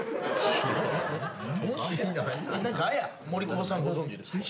森久保さんご存じですか？